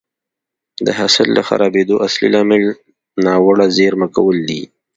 د حاصل د خرابېدو اصلي لامل ناوړه زېرمه کول دي